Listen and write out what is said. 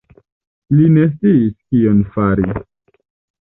Li ne sciis kion fari.